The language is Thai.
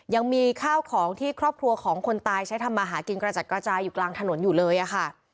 ยังมีข้าวของที่ครอบครัวของคนตายใช้ทำมาหากินกระจัดกระจายอยู่กลางถนนอยู่เลยค่ะ